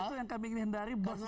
itu yang kami ingin hindari